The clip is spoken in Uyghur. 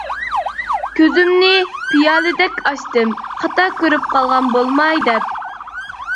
كۆزۈمنى پىيالىدەك ئاچتىم، خاتا كۆرۈپ قالغان بولماي دەپ!